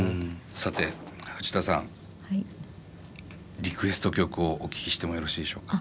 さてフチタさんリクエスト曲をお聞きしてもよろしいでしょうか？